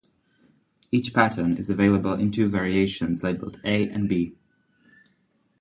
Each pattern is available in two variations, labelled "A" and "B".